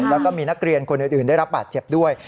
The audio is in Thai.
แล้วก็มีนักเรียนคนอื่นได้รับบาดเจ็บด้วย